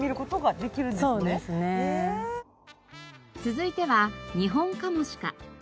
続いてはニホンカモシカ。